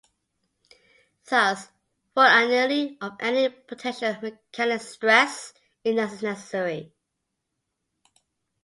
Thus, full annealing of any potential mechanical stress is necessary.